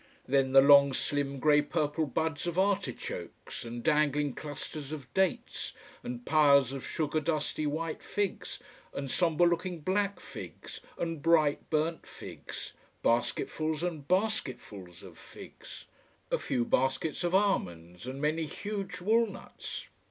Then the long, slim, grey purple buds of artichokes, and dangling clusters of dates, and piles of sugar dusty white figs and sombre looking black figs, and bright burnt figs: basketfuls and basketfuls of figs. A few baskets of almonds, and many huge walnuts.